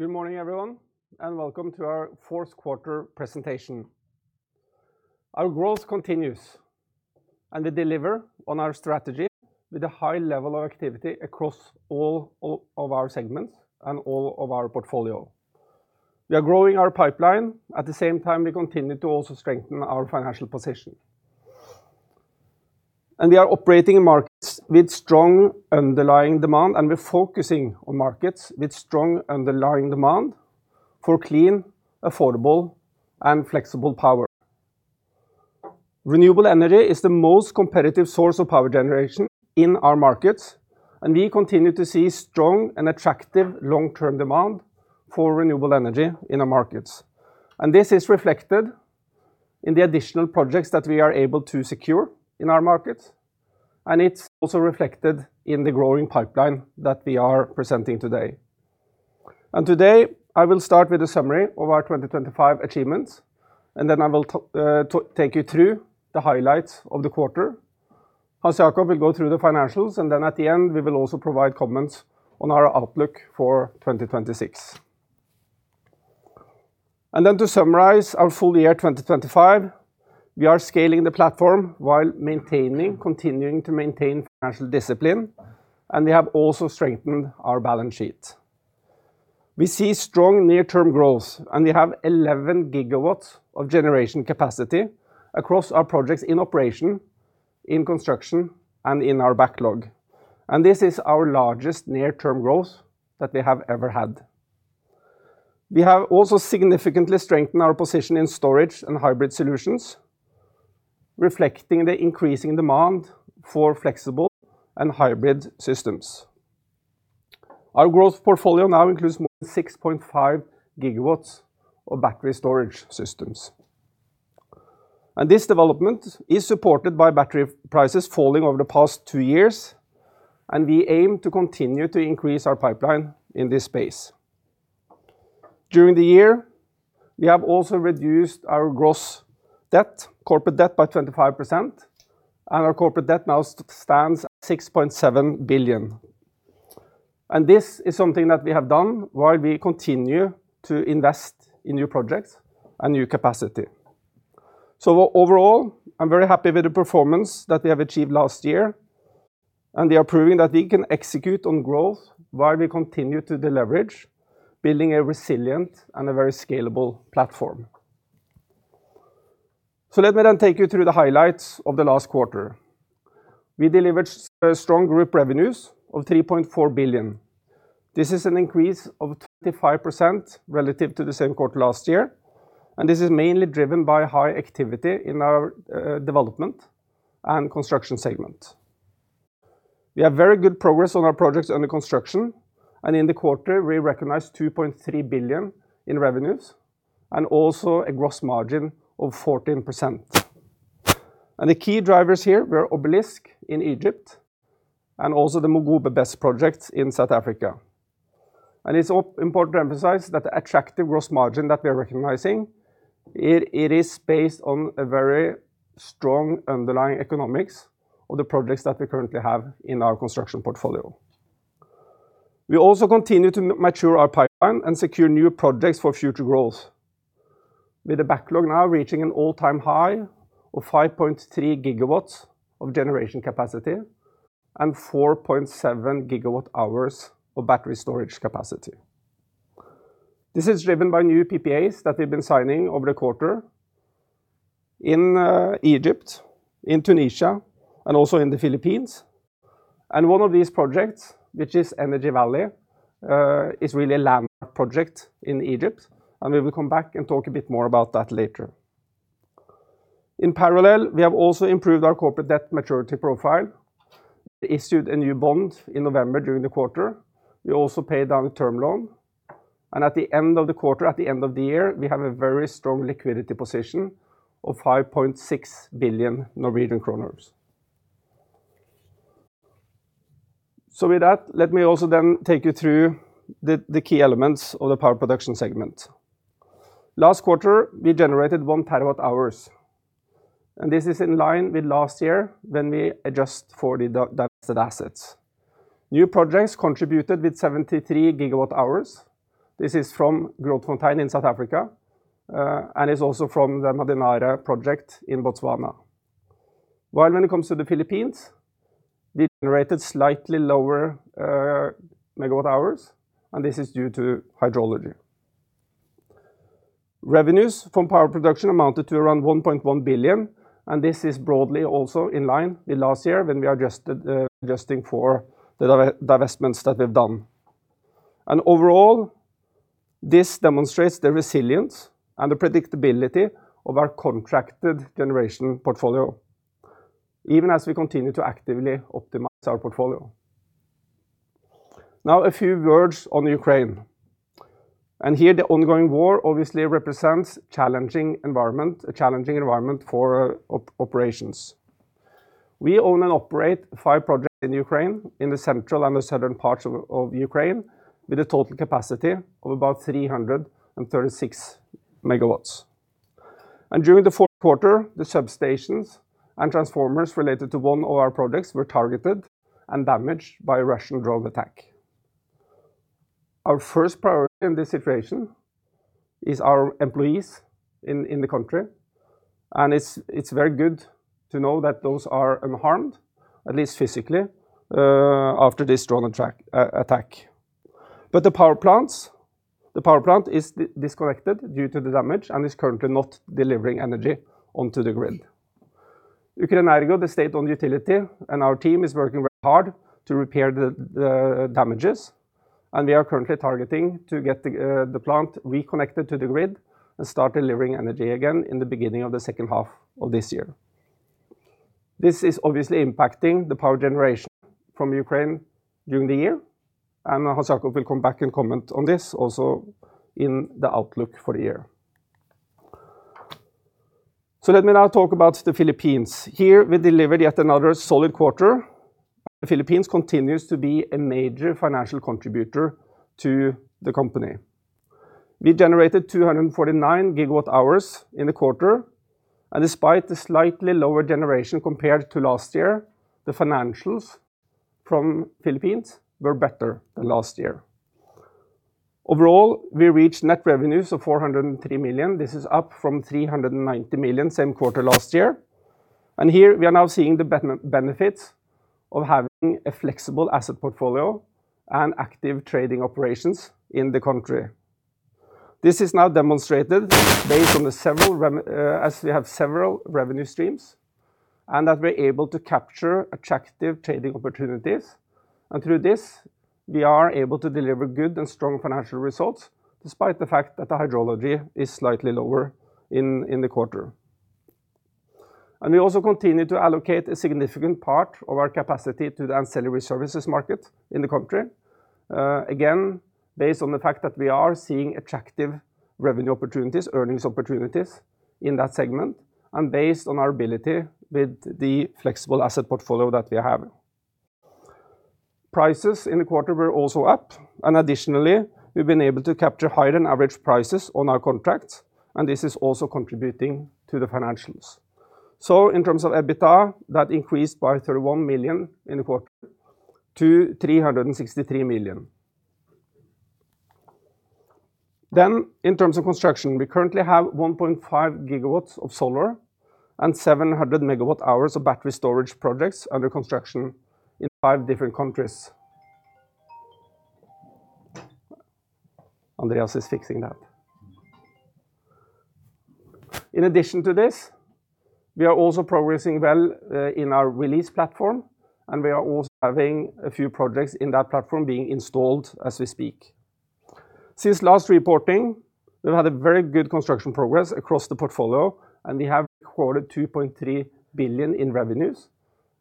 Good morning, everyone, and welcome to our fourth quarter presentation. Our growth continues, and we deliver on our strategy with a high level of activity across all of our segments and all of our portfolio. We are growing our pipeline. At the same time, we continue to also strengthen our financial position. We are operating in markets with strong underlying demand, and we're focusing on markets with strong underlying demand for clean, affordable, and flexible power. Renewable energy is the most competitive source of power generation in our markets, and we continue to see strong and attractive long-term demand for renewable energy in our markets. This is reflected in the additional projects that we are able to secure in our markets, and it's also reflected in the growing pipeline that we are presenting today. Today, I will start with a summary of our 2025 achievements, and then I will take you through the highlights of the quarter. Hans Jacob will go through the financials, and then at the end, we will also provide comments on our outlook for 2026. Then to summarize our full year, 2025, we are scaling the platform while maintaining continuing to maintain financial discipline, and we have also strengthened our balance sheet. We see strong near-term growth, and we have 11 GW of generation capacity across our projects in operation, in construction, and in our backlog, and this is our largest near-term growth that we have ever had. We have also significantly strengthened our position in storage and hybrid solutions, reflecting the increasing demand for flexible and hybrid systems. Our growth portfolio now includes more than 6.5 gigawatts of battery storage systems, and this development is supported by battery prices falling over the past two years, and we aim to continue to increase our pipeline in this space. During the year, we have also reduced our gross debt, corporate debt, by 25%, and our corporate debt now stands at $6.7 billion. This is something that we have done while we continue to invest in new projects and new capacity. Overall, I'm very happy with the performance that we have achieved last year, and we are proving that we can execute on growth while we continue to deleverage, building a resilient and a very scalable platform. Let me then take you through the highlights of the last quarter. We delivered strong group revenues of $3.4 billion. This is an increase of 35% relative to the same quarter last year, and this is mainly driven by high activity in our development and construction segment. We have very good progress on our projects under construction, and in the quarter, we recognized 2.3 billion in revenues and also a gross margin of 14%. The key drivers here were Obelisk in Egypt and also the Mogobe BESS projects in South Africa. It's all important to emphasize that the attractive gross margin that we are recognizing, it is based on a very strong underlying economics of the projects that we currently have in our construction portfolio. We also continue to mature our pipeline and secure new projects for future growth, with the backlog now reaching an all-time high of 5.3 GW of generation capacity and 4.7 GWh of battery storage capacity. This is driven by new PPAs that we've been signing over the quarter in Egypt, in Tunisia, and also in the Philippines. One of these projects, which is Energy Valley, is really a landmark project in Egypt, and we will come back and talk a bit more about that later. In parallel, we have also improved our corporate debt maturity profile, issued a new bond in November during the quarter. We also paid down a term loan, and at the end of the quarter, at the end of the year, we have a very strong liquidity position of 5.6 billion Norwegian kroner. So with that, let me also then take you through the key elements of the power production segment. Last quarter, we generated 1 TWh, and this is in line with last year when we adjust for the divested assets. New projects contributed with 73 GWh. This is from Grootfontein in South Africa, and it's also from the Mmadinare project in Botswana. While when it comes to the Philippines, we generated slightly lower MWh, and this is due to hydrology. Revenues from power production amounted to around $1.1 billion, and this is broadly also in line with last year when we adjusted, adjusting for the divestments that we've done. And overall, this demonstrates the resilience and the predictability of our contracted generation portfolio, even as we continue to actively optimize our portfolio. Now, a few words on Ukraine, and here, the ongoing war obviously represents a challenging environment, a challenging environment for operations. We own and operate 5 projects in Ukraine, in the central and the southern parts of Ukraine, with a total capacity of about 336 MW. During the fourth quarter, the substations and transformers related to 1 of our projects were targeted and damaged by a Russian drone attack. Our first priority in this situation is our employees in the country, and it's very good to know that those are unharmed, at least physically, after this drone attack. But the power plants, the power plant is disconnected due to the damage and is currently not delivering energy onto the grid. Ukrenergo, the state-owned utility, and our team is working very hard to repair the damages, and we are currently targeting to get the plant reconnected to the grid and start delivering energy again in the beginning of the second half of this year. This is obviously impacting the power generation from Ukraine during the year, and Hans Jakob will come back and comment on this also in the outlook for the year. So let me now talk about the Philippines. Here, we delivered yet another solid quarter. The Philippines continues to be a major financial contributor to the company. We generated 249 gigawatt hours in the quarter, and despite the slightly lower generation compared to last year, the financials from Philippines were better than last year. Overall, we reached net revenues of $403 million. This is up from $390 million, same quarter last year, and here we are now seeing the benefits of having a flexible asset portfolio and active trading operations in the country. This is now demonstrated based on the fact that, as we have several revenue streams and that we're able to capture attractive trading opportunities, and through this, we are able to deliver good and strong financial results, despite the fact that the hydrology is slightly lower in the quarter. We also continue to allocate a significant part of our capacity to the ancillary services market in the country. Again, based on the fact that we are seeing attractive revenue opportunities, earnings opportunities in that segment, and based on our ability with the flexible asset portfolio that we have. Prices in the quarter were also up, and additionally, we've been able to capture higher-than-average prices on our contracts, and this is also contributing to the financials. So in terms of EBITDA, that increased by 31 million in the quarter to 363 million. Then, in terms of construction, we currently have 1.5 gigawatts of solar and 700 megawatt hours of battery storage projects under construction in five different countries. Andreas is fixing that. In addition to this, we are also progressing well in our release platform, and we are also having a few projects in that platform being installed as we speak. Since last reporting, we've had a very good construction progress across the portfolio, and we have recorded 2.3 billion in revenues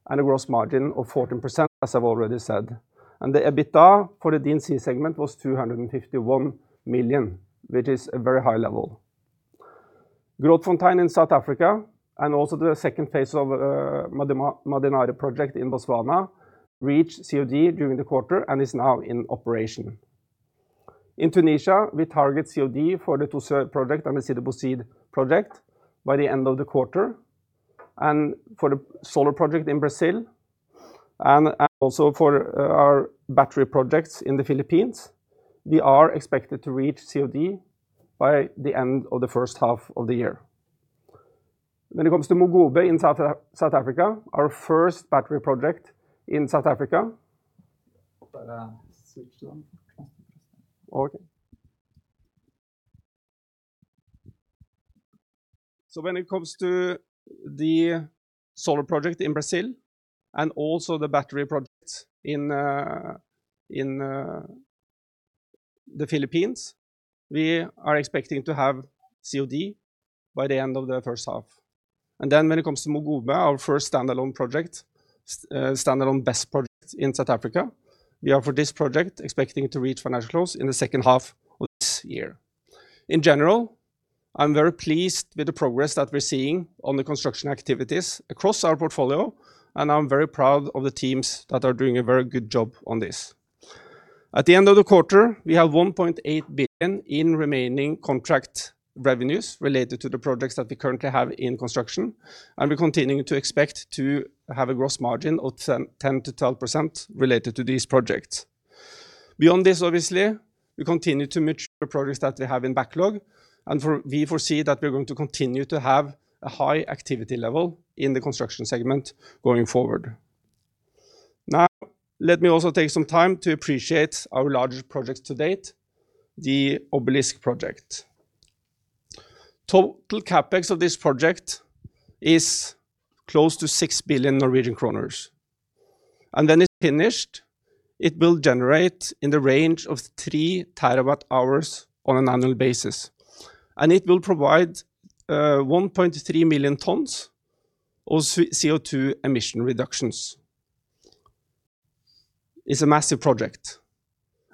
and a gross margin of 14%, as I've already said. The EBITDA for the D&C segment was $251 million, which is a very high level. Grootfontein in South Africa, and also the second phase of the Mmadinare project in Botswana, reached COD during the quarter and is now in operation. In Tunisia, we target COD for the Tozeur project and the Sidi Bouzid project by the end of the quarter, and for the solar project in Brazil, and also for our battery projects in the Philippines, we are expected to reach COD by the end of the first half of the year. When it comes to Mogobe in South Africa, our first battery project in South Africa. Okay. So when it comes to the solar project in Brazil and also the battery projects in the Philippines, we are expecting to have COD by the end of the first half. And then when it comes to Mogobe, our first standalone project, standalone BESS project in South Africa, we are, for this project, expecting to reach financials in the second half of this year. In general, I'm very pleased with the progress that we're seeing on the construction activities across our portfolio, and I'm very proud of the teams that are doing a very good job on this. At the end of the quarter, we have $1.8 billion in remaining contract revenues related to the projects that we currently have in construction, and we're continuing to expect to have a gross margin of 10%-12% related to these projects. Beyond this, obviously, we continue to mature projects that we have in backlog, and we foresee that we're going to continue to have a high activity level in the construction segment going forward. Now, let me also take some time to appreciate our largest project to date, the Obelisk project. Total CapEx of this project is close to 6 billion Norwegian kroner, and when it's finished, it will generate in the range of 3 TWh on an annual basis, and it will provide 1.3 million tons of CO2 emission reductions. It's a massive project,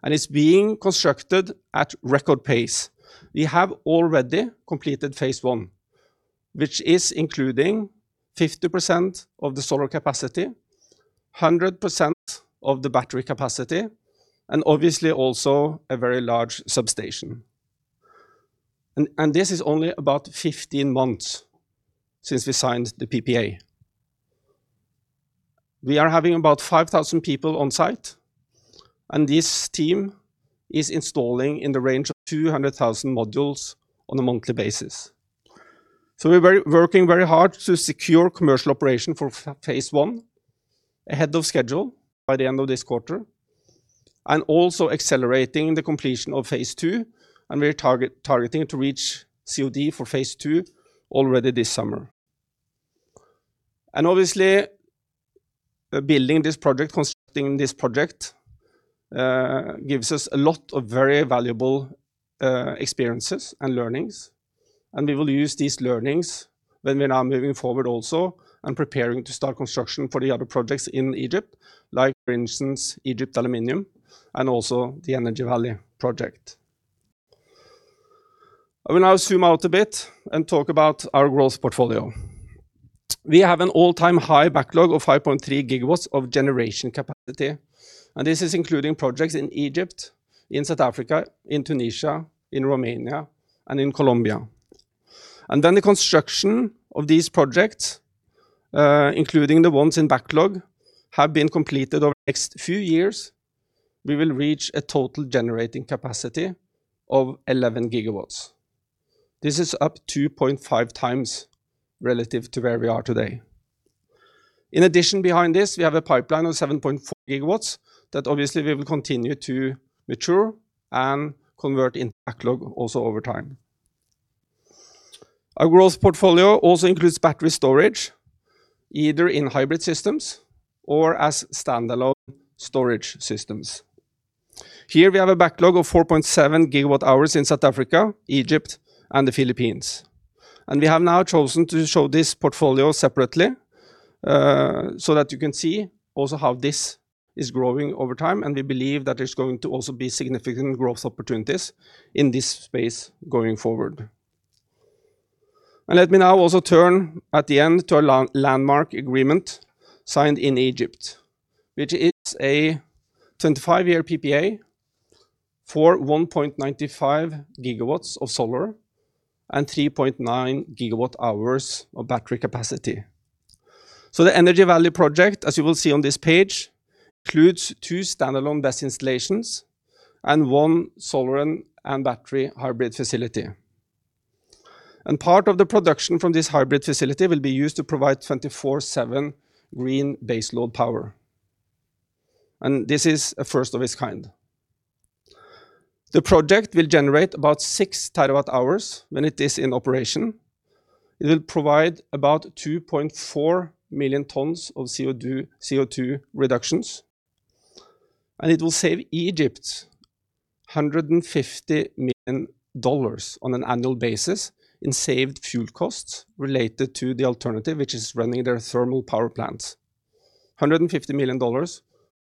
and it's being constructed at record pace. We have already completed phase one, which is including 50% of the solar capacity, 100% of the battery capacity, and obviously also a very large substation. And this is only about 15 months since we signed the PPA. We are having about 5,000 people on site, and this team is installing in the range of 200,000 modules on a monthly basis. So we're working very hard to secure commercial operation for phase one ahead of schedule by the end of this quarter, and also accelerating the completion of phase two, and we're targeting to reach COD for phase two already this summer. And obviously, building this project, constructing this project, gives us a lot of very valuable experiences and learnings, and we will use these learnings when we are now moving forward also and preparing to start construction for the other projects in Egypt, like for instance, Egyptalum and also the Energy Valley project. I will now zoom out a bit and talk about our growth portfolio. We have an all-time high backlog of 5.3 GW of generation capacity, and this is including projects in Egypt, in South Africa, in Tunisia, in Romania, and in Colombia. When the construction of these projects, including the ones in backlog, have been completed over the next few years, we will reach a total generating capacity of 11 GW. This is up 2.5 times relative to where we are today. In addition, behind this, we have a pipeline of 7.4 GW that obviously we will continue to mature and convert into backlog also over time. Our growth portfolio also includes battery storage, either in hybrid systems or as standalone storage systems. Here we have a backlog of 4.7 GWh in South Africa, Egypt, and the Philippines. We have now chosen to show this portfolio separately, so that you can see also how this is growing over time, and we believe that there's going to also be significant growth opportunities in this space going forward. Let me now also turn at the end to a landmark agreement signed in Egypt, which is a 25-year PPA for 1.95 GW of solar and 3.9 GWh of battery capacity. So the Energy Valley project, as you will see on this page, includes two standalone BESS installations and one solar and battery hybrid facility. And part of the production from this hybrid facility will be used to provide 24/7 green base load power, and this is a first of its kind. The project will generate about 6 TWh when it is in operation. It will provide about 2.4 million tons of CO2 reductions, and it will save Egypt $150 million on an annual basis in saved fuel costs related to the alternative, which is running their thermal power plants. $150 million on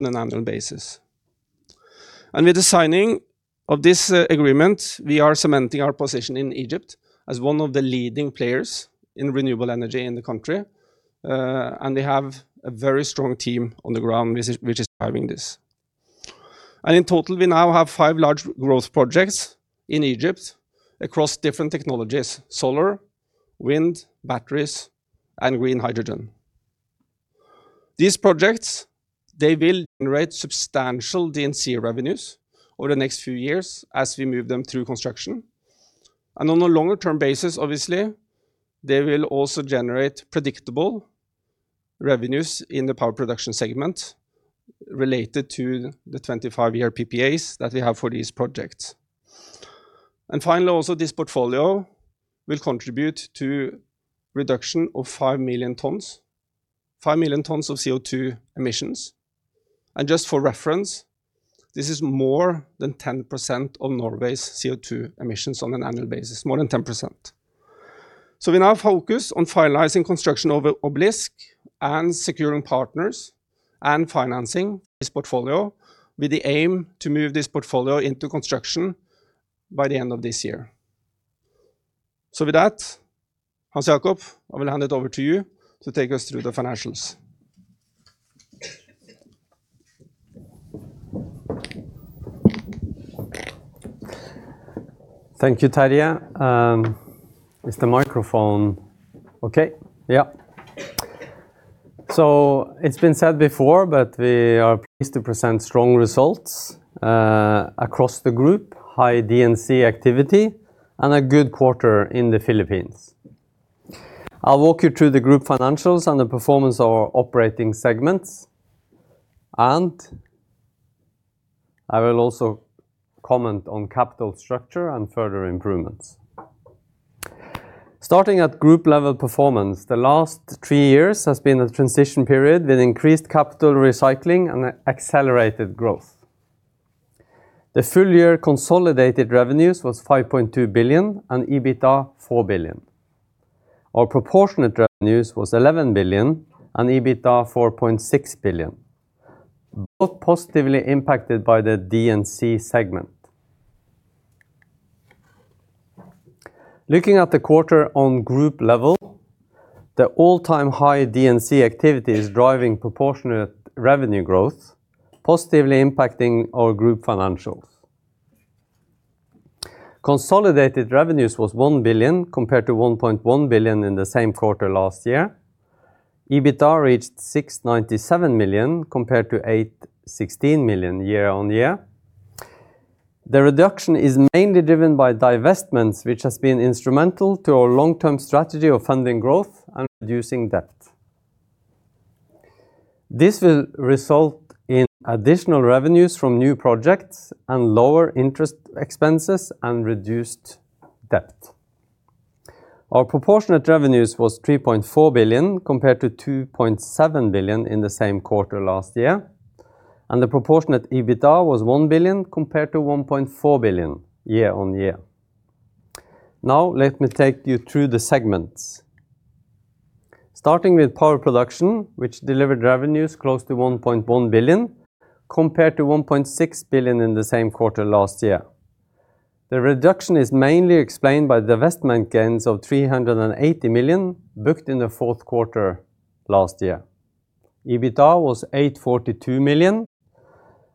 an annual basis. And with the signing of this agreement, we are cementing our position in Egypt as one of the leading players in renewable energy in the country, and we have a very strong team on the ground which is, which is driving this. And in total, we now have five large growth projects in Egypt across different technologies: solar, wind, batteries, and green hydrogen. These projects, they will generate substantial D&C revenues over the next few years as we move them through construction. On a longer-term basis, obviously, they will also generate predictable revenues in the power production segment related to the 25-year PPAs that we have for these projects. And finally, also, this portfolio will contribute to reduction of 5 million tons, 5 million tons of CO2 emissions. And just for reference, this is more than 10% of Norway's CO2 emissions on an annual basis, more than 10%. So we now focus on finalizing construction of Obelisk and securing partners and financing this portfolio with the aim to move this portfolio into construction by the end of this year. So with that, Hans Jakob, I will hand it over to you to take us through the financials. Thank you, Terje. Is the microphone okay? Yeah. So it's been said before, but we are pleased to present strong results across the group, high D&C activity, and a good quarter in the Philippines. I'll walk you through the group financials and the performance of our operating segments, and I will also comment on capital structure and further improvements. Starting at group-level performance, the last three years has been a transition period with increased capital recycling and accelerated growth. The full year consolidated revenues was 5.2 billion and EBITDA, 4 billion. Our proportionate revenues was 11 billion and EBITDA, 4.6 billion, both positively impacted by the D&C segment. Looking at the quarter on group level, the all-time high D&C activity is driving proportionate revenue growth, positively impacting our group financials. Consolidated revenues was 1 billion, compared to 1.1 billion in the same quarter last year. EBITDA reached 697 million, compared to 816 million year-on-year. The reduction is mainly driven by divestments, which has been instrumental to our long-term strategy of funding growth and reducing debt. This will result in additional revenues from new projects and lower interest expenses and reduced debt. Our proportionate revenues was 3.4 billion, compared to 2.7 billion in the same quarter last year, and the proportionate EBITDA was 1 billion, compared to 1.4 billion, year-on-year. Now, let me take you through the segments. Starting with power production, which delivered revenues close to 1.1 billion, compared to 1.6 billion in the same quarter last year. The reduction is mainly explained by the divestment gains of $300 million, booked in the fourth quarter last year. EBITDA was $842 million,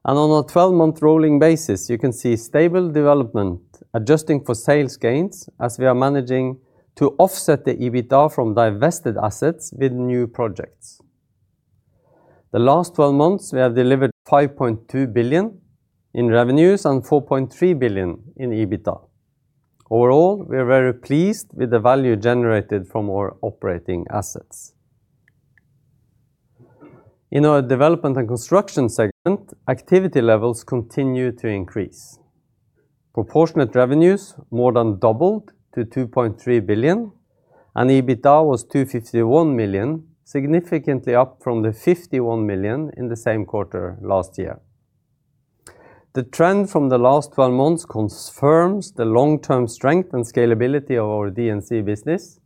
and on a 12-month rolling basis, you can see stable development, adjusting for sales gains, as we are managing to offset the EBITDA from divested assets with new projects. The last 12 months, we have delivered $5.2 billion in revenues and $4.3 billion in EBITDA. Overall, we are very pleased with the value generated from our operating assets. In our development and construction segment, activity levels continue to increase. Proportionate revenues more than doubled to $2.3 billion, and EBITDA was $251 million, significantly up from the $51 million in the same quarter last year. The trend from the last 12 months confirms the long-term strength and scalability of our D&C business,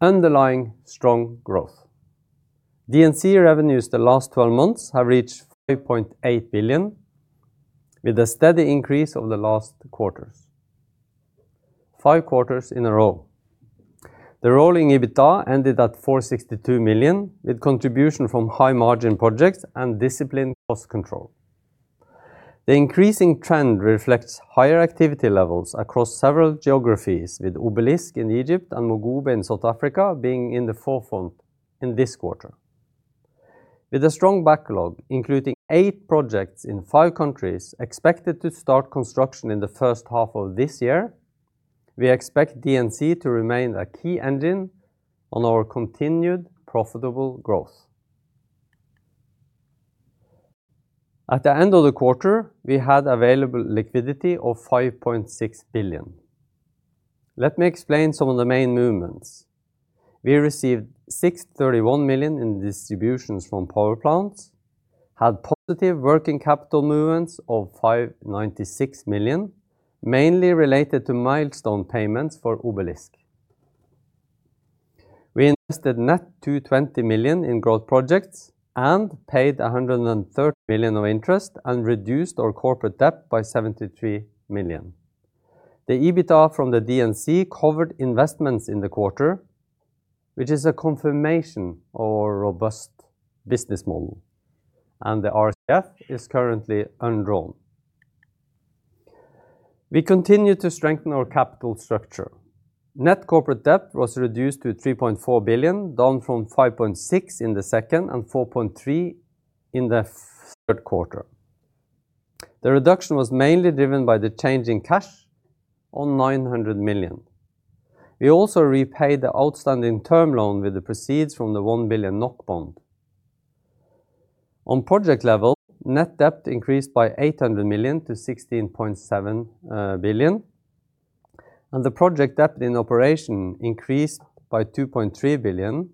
underlying strong growth. D&C revenues the last 12 months have reached 5.8 billion, with a steady increase over the last quarters, five quarters in a row. The rolling EBITDA ended at 462 million, with contribution from high-margin projects and disciplined cost control. The increasing trend reflects higher activity levels across several geographies, with Obelisk in Egypt and Mogobe in South Africa being in the forefront in this quarter. With a strong backlog, including eight projects in five countries expected to start construction in the first half of this year, we expect D&C to remain a key engine on our continued profitable growth. At the end of the quarter, we had available liquidity of 5.6 billion. Let me explain some of the main movements. We received 631 million in distributions from power plants, had positive working capital movements of 596 million, mainly related to milestone payments for Obelisk. We invested net 220 million in growth projects and paid 130 million of interest and reduced our corporate debt by 73 million. The EBITDA from the D&C covered investments in the quarter, which is a confirmation of our robust business model, and the RCF is currently undrawn. We continue to strengthen our capital structure. Net corporate debt was reduced to 3.4 billion, down from 5.6 in the second and 4.3 in the third quarter. The reduction was mainly driven by the change in cash on 900 million. We also repaid the outstanding term loan with the proceeds from the 1 billion NOK bond. On project level, net debt increased by 800 million to 16.7 billion, and the project debt in operation increased by 2.3 billion,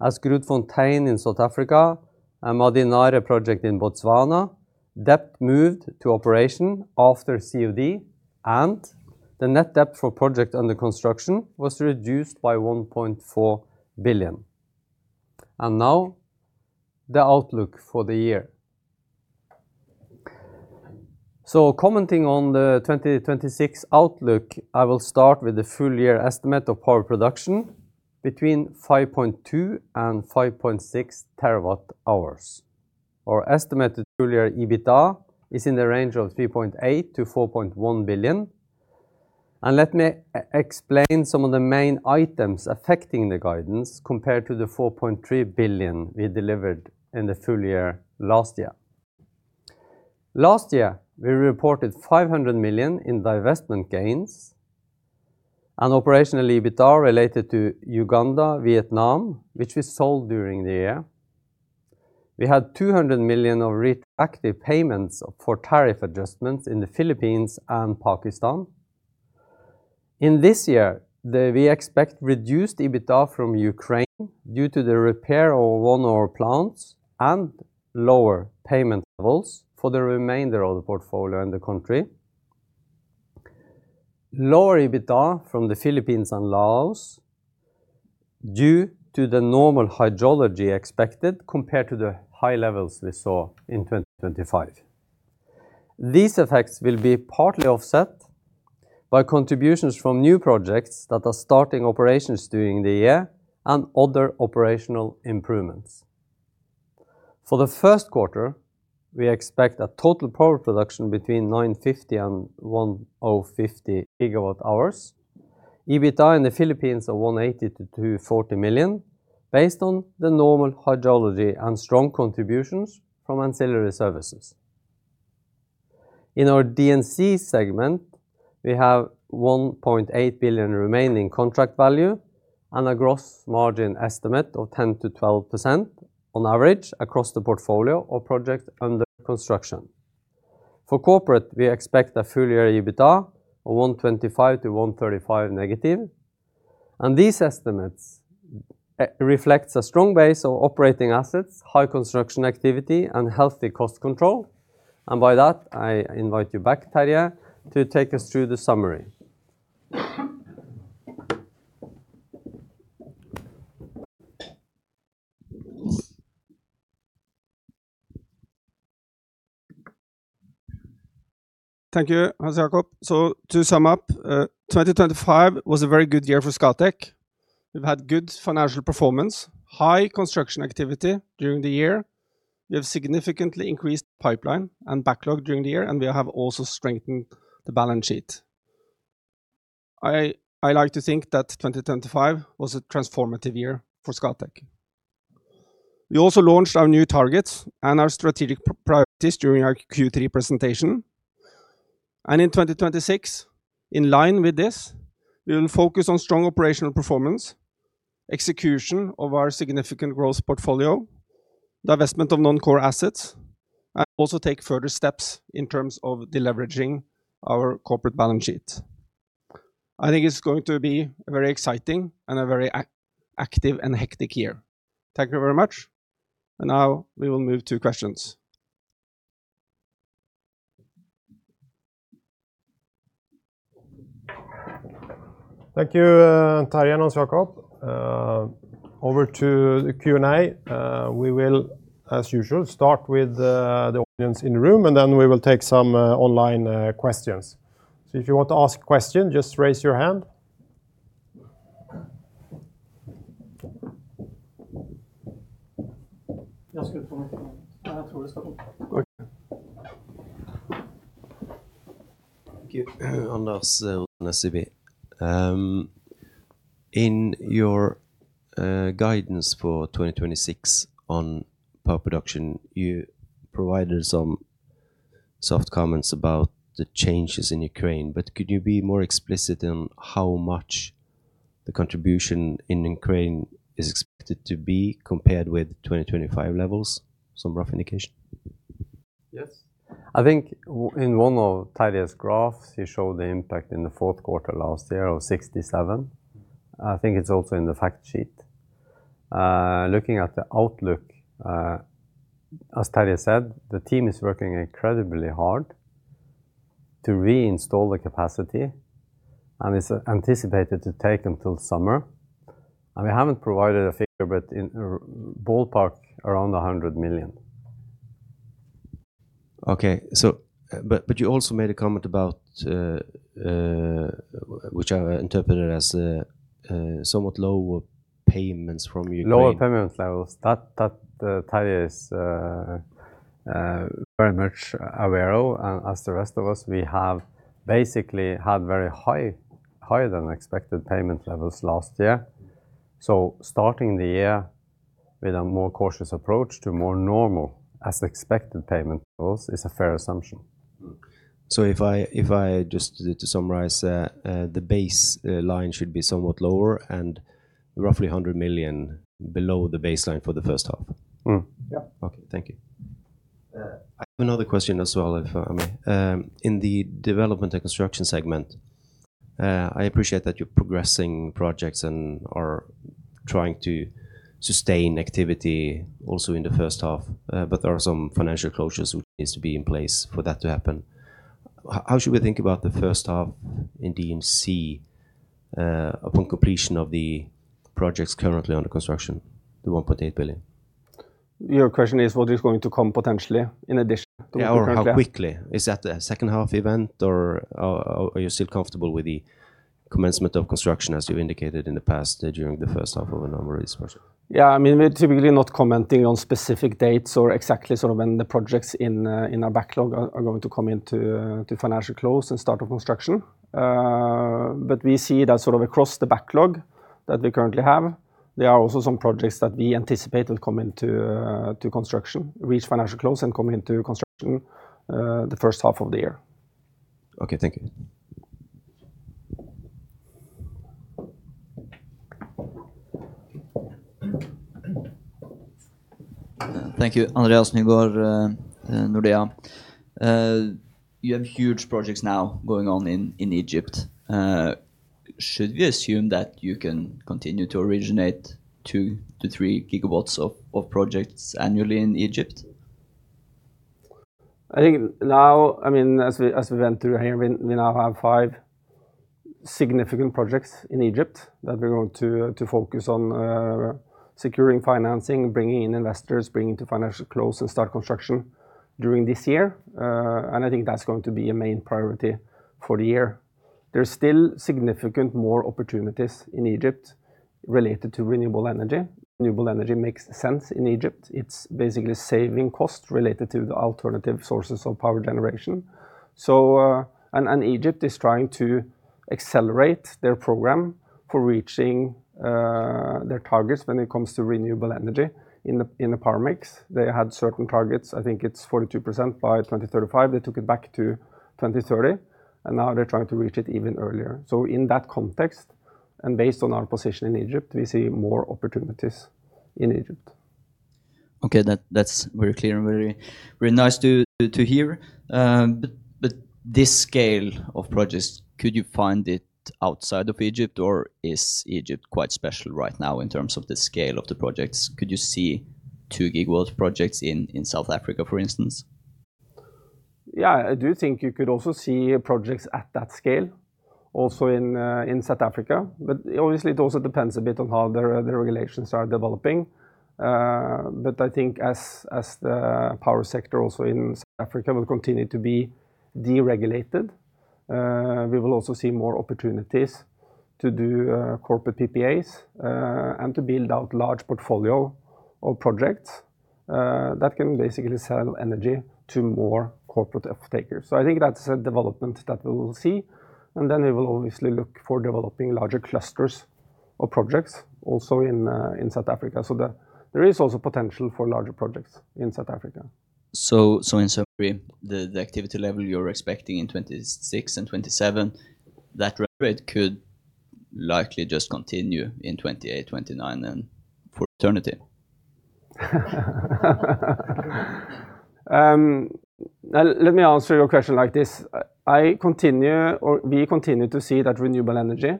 as Grootfontein in South Africa and Mmadinare project in Botswana debt moved to operation after COD, and the net debt for project under construction was reduced by 1.4 billion. Now, the outlook for the year. So commenting on the 2026 outlook, I will start with the full-year estimate of power production between 5.2 and 5.6 TWh. Our estimated full-year EBITDA is in the range of 3.8 billion-4.1 billion. And let me explain some of the main items affecting the guidance compared to the 4.3 billion we delivered in the full year last year. Last year, we reported $500 million in divestment gains and operational EBITDA related to Uganda, Vietnam, which we sold during the year. We had $200 million of retroactive payments for tariff adjustments in the Philippines and Pakistan. In this year, we expect reduced EBITDA from Ukraine due to the repair of one of our plants and lower payment levels for the remainder of the portfolio in the country. Lower EBITDA from the Philippines and Laos due to the normal hydrology expected, compared to the high levels we saw in 2025. These effects will be partly offset by contributions from new projects that are starting operations during the year and other operational improvements. For the first quarter, we expect a total power production between 950 and 1,150 GWh, EBITDA in the Philippines of $180 million-$240 million, based on the normal hydrology and strong contributions from ancillary services. In our D&C segment, we have $1.8 billion remaining contract value and a gross margin estimate of 10%-12% on average across the portfolio or project under construction. For corporate, we expect a full year EBITDA of -$125 million to -$135 million, and these estimates reflects a strong base of operating assets, high construction activity, and healthy cost control. By that, I invite you back, Terje, to take us through the summary. Thank you, Hans Jakob. So to sum up, 2025 was a very good year for Scatec. We've had good financial performance, high construction activity during the year. We have significantly increased the pipeline and backlog during the year, and we have also strengthened the balance sheet. I like to think that 2025 was a transformative year for Scatec. We also launched our new targets and our strategic priorities during our Q3 presentation. And in 2026, in line with this, we will focus on strong operational performance, execution of our significant growth portfolio, divestment of non-core assets, and also take further steps in terms of deleveraging our corporate balance sheet. I think it's going to be very exciting and a very active and hectic year. Thank you very much. And now we will move to questions. Thank you, Terje and Hans Jakob. Over to the Q&A. We will, as usual, start with the audience in the room, and then we will take some online questions. So if you want to ask a question, just raise your hand. Thank you. Anders from SEB. In your guidance for 2026 on power production, you provided some soft comments about the changes in Ukraine, but could you be more explicit in how much the contribution in Ukraine is expected to be compared with 2025 levels? Some rough indication. Yes. I think in one of Terje's graphs, he showed the impact in the fourth quarter last year of $67 million. I think it's also in the fact sheet. Looking at the outlook, as Terje said, the team is working incredibly hard to reinstall the capacity, and it's anticipated to take until summer. And we haven't provided a figure, but in ballpark, around $100 million. Okay, so, but you also made a comment about somewhat lower payments from Ukraine. Lower payment levels that Terje is very much aware of, and as the rest of us. We have basically had very high, higher than expected payment levels last year. So starting the year with a more cautious approach to more normal as expected payment levels is a fair assumption. So if I just to summarize, the baseline should be somewhat lower and roughly $100 million below the baseline for the first half? Yeah. Okay, thank you. I have another question as well, if I may. In the development and construction segment, I appreciate that you're progressing projects and are trying to sustain activity also in the first half, but there are some financial closures which needs to be in place for that to happen. How should we think about the first half in D&C, upon completion of the projects currently under construction, the $1.8 billion? Your question is, what is going to come potentially in addition? Yeah, or how quickly? Is that a second half event, or are you still comfortable with the commencement of construction, as you indicated in the past, during the first half, for a number of reasons? Yeah, I mean, we're typically not commenting on specific dates or exactly sort of when the projects in our backlog are going to come into to financial close and start of construction. But we see that sort of across the backlog that we currently have, there are also some projects that we anticipate will come into to construction, reach financial close and come into construction the first half of the year. Okay. Thank you. Thank you. Andreas Nygård, Nordea. You have huge projects now going on in Egypt. Should we assume that you can continue to originate 2-3 gigawatts of projects annually in Egypt? I think now, I mean, as we went through here, we now have five significant projects in Egypt that we're going to focus on securing financing, bringing in investors, bringing to financial close, and start construction during this year. And I think that's going to be a main priority for the year. There's still significant more opportunities in Egypt related to renewable energy. Renewable energy makes sense in Egypt. It's basically saving cost related to the alternative sources of power generation. So, and Egypt is trying to accelerate their program for reaching their targets when it comes to renewable energy in the power mix. They had certain targets. I think it's 42% by 2035. They took it back to 2030, and now they're trying to reach it even earlier. In that context, and based on our position in Egypt, we see more opportunities in Egypt. Okay, that's very clear and very, very nice to hear. But this scale of projects, could you find it outside of Egypt, or is Egypt quite special right now in terms of the scale of the projects? Could you see 2 gigawatt projects in South Africa, for instance? Yeah, I do think you could also see projects at that scale also in, in South Africa, but obviously it also depends a bit on how the, the regulations are developing. But I think as, as the power sector also in South Africa will continue to be deregulated, we will also see more opportunities to do corporate PPAs, and to build out large portfolio of projects that can basically sell energy to more corporate offtakers. So I think that's a development that we will see, and then we will obviously look for developing larger clusters of projects also in, in South Africa. So there is also potential for larger projects in South Africa. So, in summary, the activity level you're expecting in 2026 and 2027, that rate could likely just continue in 2028, 2029, and for eternity? Let me answer your question like this. I continue, or we continue to see that renewable energy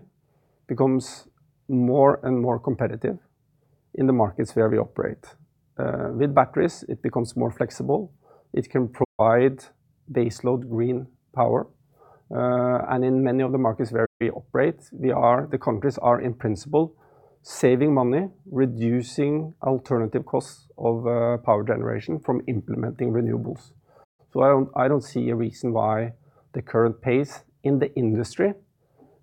becomes more and more competitive in the markets where we operate. With batteries, it becomes more flexible. It can provide baseload green power. And in many of the markets where we operate, we are the countries are, in principle, saving money, reducing alternative costs of power generation from implementing renewables. So I don't, I don't see a reason why the current pace in the industry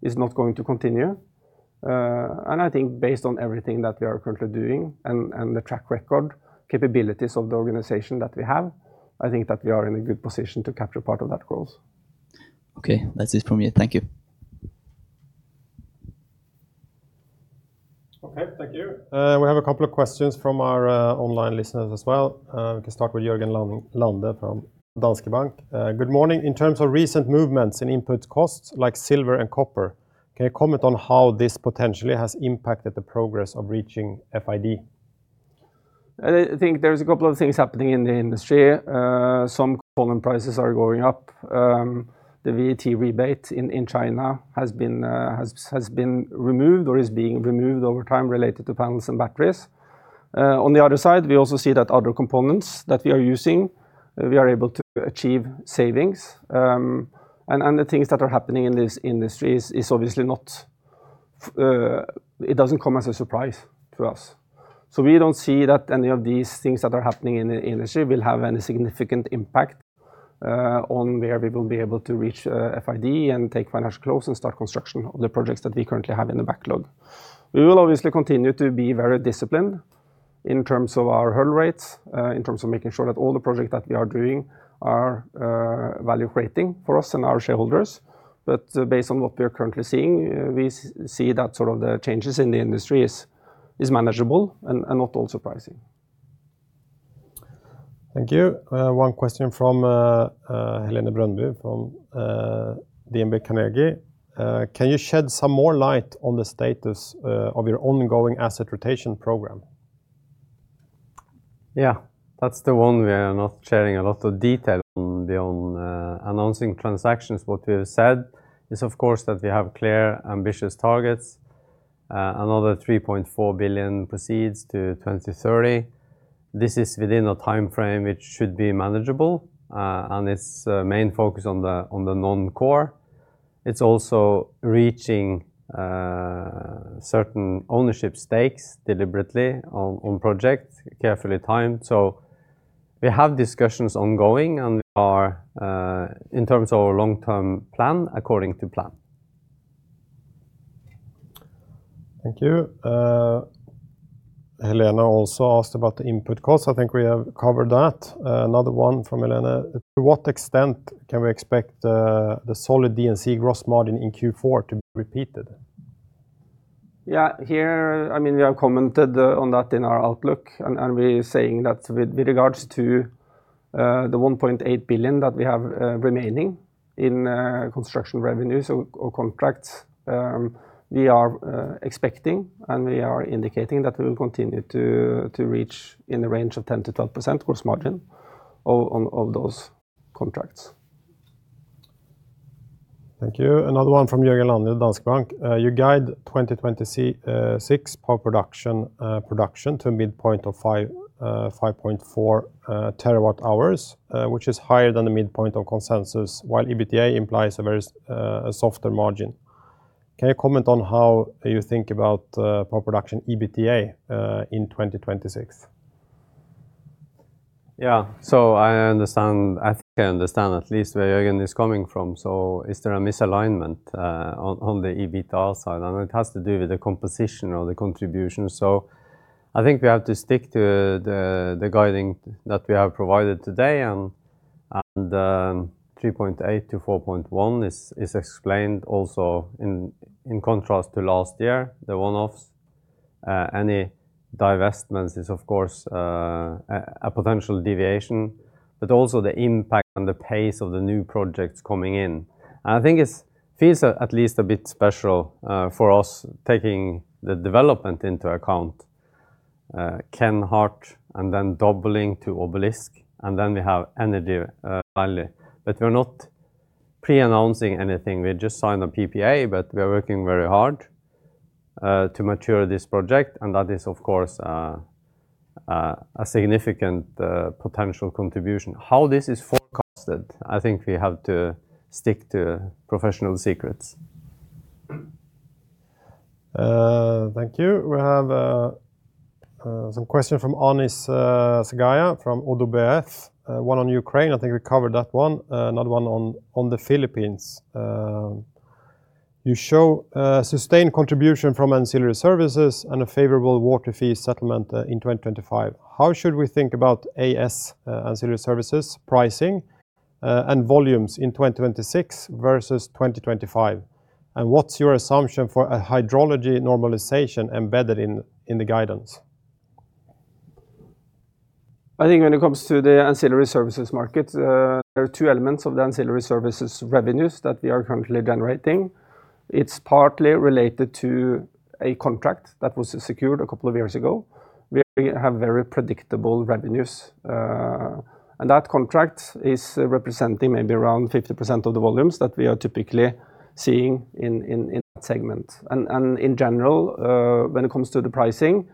is not going to continue. And I think based on everything that we are currently doing and the track record capabilities of the organization that we have, I think that we are in a good position to capture part of that growth. Okay, that's it from me. Thank you. Okay, thank you. We have a couple of questions from our, online listeners as well. We can start with Jørgen Lande from Danske Bank. "Good morning. In terms of recent movements in input costs, like silver and copper, can you comment on how this potentially has impacted the progress of reaching FID? I think there's a couple of things happening in the industry. Some common prices are going up. The VAT rebate in China has been removed, or is being removed over time related to panels and batteries. On the other side, we also see that other components that we are using, we are able to achieve savings. And the things that are happening in this industry is obviously not. It doesn't come as a surprise to us. So we don't see that any of these things that are happening in the industry will have any significant impact on where we will be able to reach FID and take financial close and start construction of the projects that we currently have in the backlog. We will obviously continue to be very disciplined in terms of our hurdle rates, in terms of making sure that all the projects that we are doing are value creating for us and our shareholders. But based on what we are currently seeing, we see that sort of the changes in the industry is manageable and not all surprising. Thank you. One question from Helene Brøndbo from DNB Markets. "Can you shed some more light on the status of your ongoing asset rotation program? Yeah, that's the one we are not sharing a lot of detail on the, on, announcing transactions. What we have said is, of course, that we have clear, ambitious targets, another $3.4 billion proceeds to 2030. This is within a time frame which should be manageable, and it's, main focus on the, on the non-core. It's also reaching, certain ownership stakes deliberately on, on project, carefully timed. So we have discussions ongoing, and we are, in terms of our long-term plan, according to plan. Thank you. Helene also asked about the input costs. I think we have covered that. Another one from Helene: "To what extent can we expect the, the solid D&C gross margin in Q4 to be repeated? Yeah, here, I mean, we have commented on that in our outlook, and we're saying that with regards to the $1.8 billion that we have remaining in construction revenues or contracts, we are expecting, and we are indicating that we will continue to reach in the range of 10%-12% gross margin on those contracts. Thank you. Another one from Jørgen Lande, Danske Bank. You guide 2026 power production to a midpoint of 5.4 TWh, which is higher than the midpoint of consensus, while EBITDA implies a very soft, a softer margin. Can you comment on how you think about power production EBITDA in 2026? Yeah. So I understand, I think I understand at least where Jørgen is coming from. So is there a misalignment on the EBITDA side? And it has to do with the composition or the contribution. So I think we have to stick to the guidance that we have provided today, and $3.8-$4.1 is explained also in contrast to last year, the one-offs. Any divestments is, of course, a potential deviation, but also the impact and the pace of the new projects coming in. And I think it feels at least a bit special for us, taking the development into account. Kenhardt and then doubling to Obelisk, and then we have Energy Valley. But we're not pre-announcing anything. We just signed a PPA, but we are working very hard to mature this project, and that is, of course, a significant potential contribution. How this is forecasted, I think we have to stick to professional secrets. Thank you. We have some question from Anis Zgaya, from Oddo BHF. One on Ukraine, I think we covered that one. Another one on the Philippines. You show sustained contribution from ancillary services and a favorable water fee settlement in 2025. How should we think about AS, ancillary services, pricing, and volumes in 2026 versus 2025? And what's your assumption for a hydrology normalization embedded in the guidance? I think when it comes to the ancillary services market, there are two elements of the ancillary services revenues that we are currently generating. It's partly related to a contract that was secured a couple of years ago, where we have very predictable revenues. And that contract is representing maybe around 50% of the volumes that we are typically seeing in that segment. And in general, when it comes to the pricing,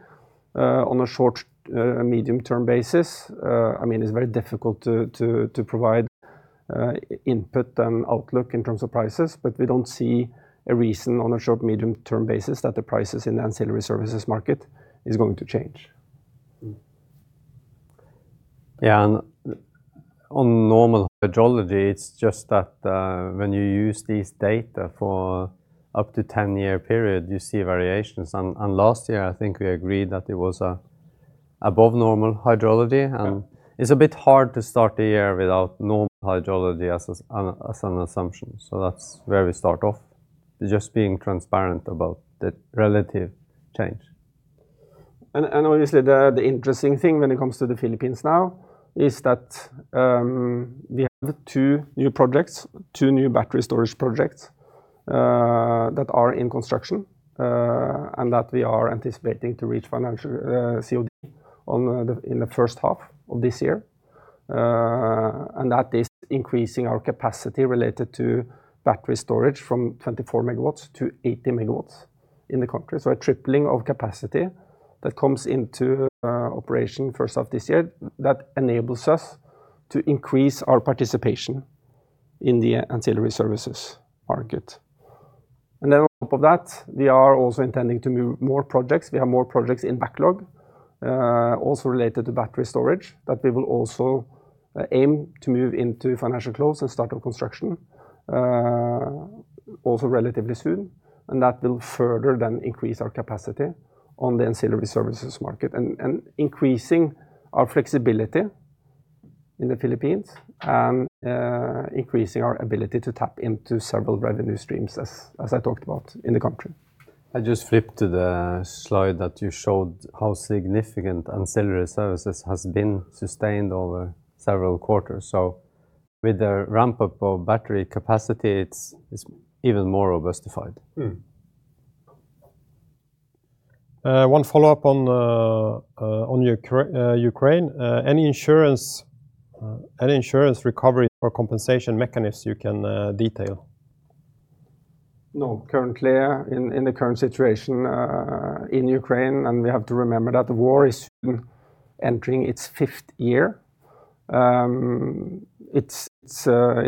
on a short, medium-term basis, I mean, it's very difficult to provide input and outlook in terms of prices, but we don't see a reason on a short, medium-term basis that the prices in the ancillary services market is going to change. Yeah, and on normal hydrology, it's just that, when you use these data for up to ten-year period, you see variations. And last year, I think we agreed that it was above normal hydrology, and- Yeah. It's a bit hard to start the year without normal hydrology as an assumption. So that's where we start off, just being transparent about the relative change. Obviously, the interesting thing when it comes to the Philippines now is that we have two new projects, two new battery storage projects that are in construction and that we are anticipating to reach financial COD in the first half of this year. And that is increasing our capacity related to battery storage from 24 MW to 80 MW in the country. So a tripling of capacity that comes into operation first half this year, that enables us to increase our participation in the ancillary services market. And then on top of that, we are also intending to move more projects. We have more projects in backlog, also related to battery storage, that we will also aim to move into financial close and start of construction, also relatively soon, and that will further then increase our capacity on the ancillary services market and increasing our flexibility in the Philippines and increasing our ability to tap into several revenue streams, as I talked about in the country. I just flipped to the slide that you showed how significant ancillary services has been sustained over several quarters. So with the ramp-up of battery capacity, it's even more robustified. Mm. One follow-up on Ukraine. Any insurance recovery or compensation mechanism you can detail? No, currently, in the current situation in Ukraine, and we have to remember that the war is soon entering its fifth year. It's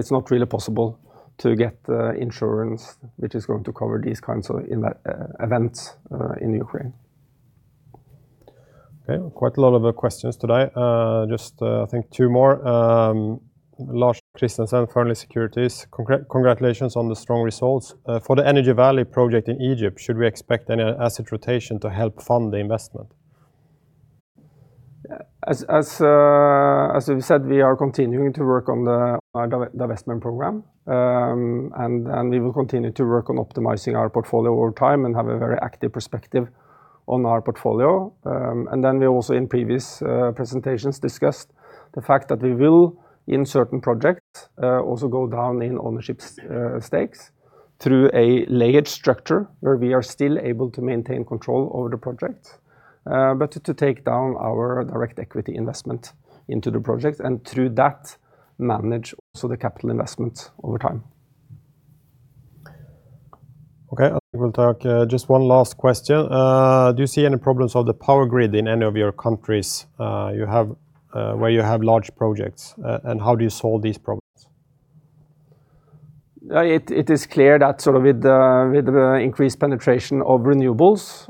not really possible to get the insurance which is going to cover these kinds of invasion events in Ukraine. Okay, quite a lot of questions today. Just, I think two more. Lars Christensen, Falkner Securities. Congratulations on the strong results. For the Energy Valley project in Egypt, should we expect any asset rotation to help fund the investment? As we've said, we are continuing to work on our divestment program. We will continue to work on optimizing our portfolio over time and have a very active perspective on our portfolio. In previous presentations, we discussed the fact that we will, in certain projects, also go down in ownership stakes through a layered structure, where we are still able to maintain control over the project. but to take down our direct equity investment into the project, and through that, manage also the capital investment over time. Okay, we'll talk, just one last question. Do you see any problems of the power grid in any of your countries, you have, where you have large projects, and how do you solve these problems? It is clear that sort of with the increased penetration of renewables,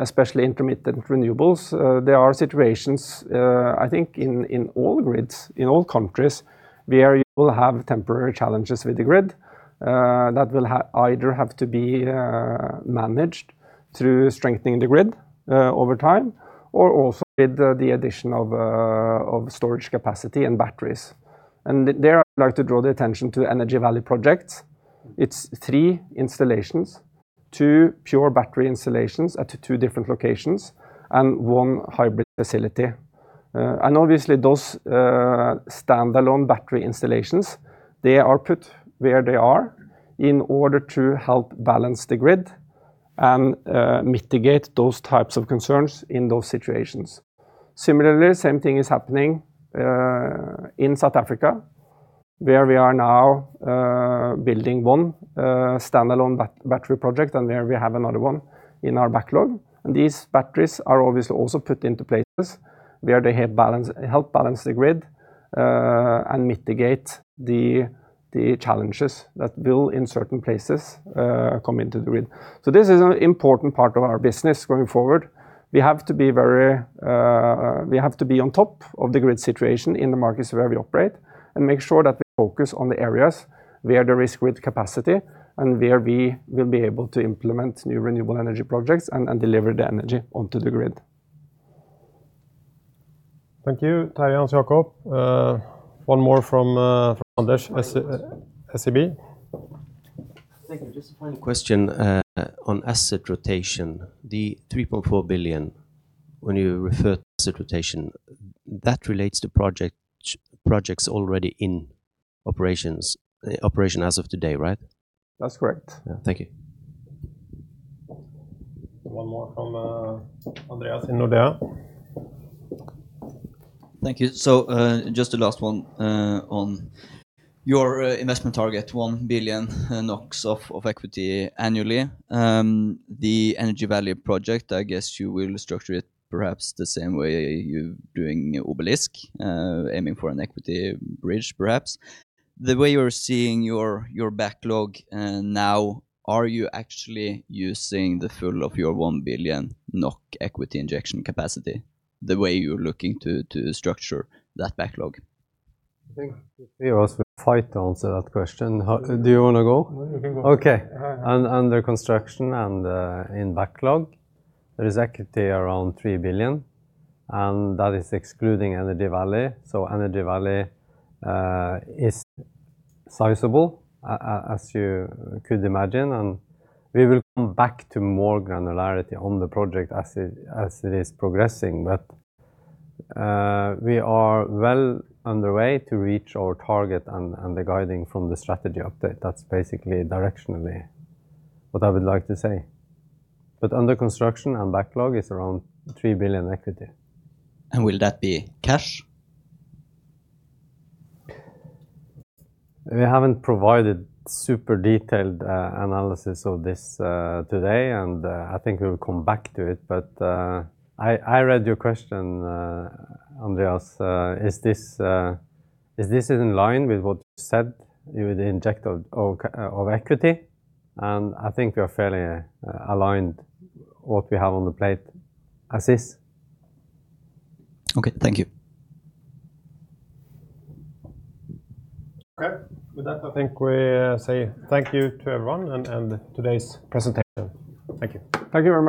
especially intermittent renewables, there are situations, I think in all grids, in all countries, where you will have temporary challenges with the grid that will either have to be managed through strengthening the grid over time, or also with the addition of storage capacity and batteries. And there, I'd like to draw the attention to Energy Valley projects. It's three installations, two pure battery installations at two different locations and one hybrid facility. And obviously, those standalone battery installations, they are put where they are in order to help balance the grid and mitigate those types of concerns in those situations. Similarly, same thing is happening in South Africa, where we are now building one standalone battery project, and where we have another one in our backlog. And these batteries are obviously also put into places where they help balance, help balance the grid, and mitigate the challenges that will, in certain places, come into the grid. So this is an important part of our business going forward. We have to be very. We have to be on top of the grid situation in the markets where we operate and make sure that we focus on the areas where there is grid capacity and where we will be able to implement new renewable energy projects and deliver the energy onto the grid. Thank you, Terje, Hans Jakob. One more from, from SEB, SEB. Thank you. Just a final question on asset rotation. The $3.4 billion, when you refer to asset rotation, that relates to projects already in operations as of today, right? That's correct. Thank you. One more from Andreas in Nordea. Thank you. So, just the last one, on your investment target, 1 billion NOK of equity annually. The Energy Valley project, I guess you will structure it perhaps the same way you're doing Obelisk, aiming for an equity bridge, perhaps. The way you're seeing your backlog now, are you actually using the full of your 1 billion NOK equity injection capacity, the way you're looking to structure that backlog? I think the three of us will fight to answer that question. Do you wanna go? No, you can go. Okay. All right. Under construction and in backlog, there is equity around $3 billion, and that is excluding Energy Valley. So Energy Valley is sizable, as you could imagine, and we will come back to more granularity on the project as it is progressing, but we are well underway to reach our target and the guiding from the strategy update. That's basically directionally what I would like to say. But under construction and backlog is around $3 billion equity. Will that be cash? We haven't provided super detailed analysis of this today, and I think we'll come back to it, but I read your question, Andreas, is this in line with what you said you would inject of equity? And I think we are fairly aligned what we have on the plate as is. Okay. Thank you. Okay. With that, I think we say thank you to everyone and today's presentation. Thank you. Thank you very much.